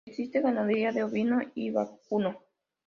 Existe ganadería de ovino y vacuno.